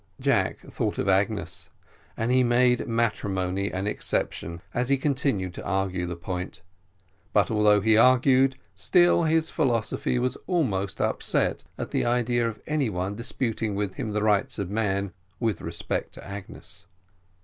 Jack thought of Agnes, and he made matrimony an exception, as he continued to argue the point; but although he argued, still his philosophy was almost upset at the idea of any one disputing with him the rights of man, with respect to Agnes.